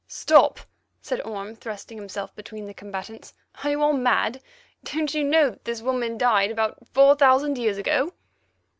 "Stop," said Orme, thrusting himself between the combatants, "are you all mad? Do you know that this woman died about four thousand years ago?"